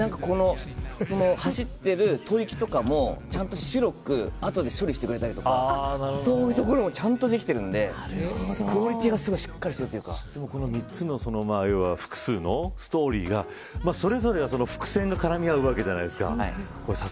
走っていると息とかもちゃんと白く後で処理してくれたりそういうところもちゃんとできているんでクオリティーが複数のストーリーのそれぞれ伏線が絡み合うわけじゃないですか。